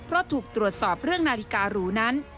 เพราะถูกตรวจสอบเรื่องนาฬิการูนั้น